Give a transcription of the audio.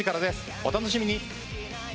お楽しみに。